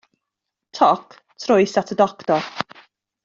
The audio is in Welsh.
Toc, troes at y doctor.